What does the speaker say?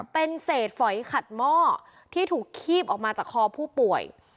เป็นเศษฝอยขัดหม้อที่ถูกคีบออกมาจากคอผู้ป่วย